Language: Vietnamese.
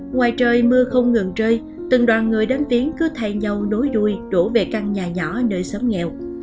ngoài trời mưa không ngừng rơi từng đoàn người đánh tiếng cứ thay nhau nối đuôi đổ về căn nhà nhỏ nơi xóm nghèo